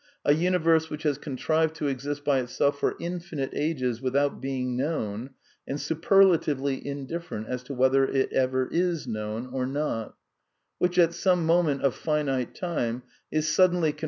a universe which has contrived to exist by itself for infinite ages without being known, and super latively indifferent as to whether it ever is known or not; which, at some moment of finite time, is suddenly con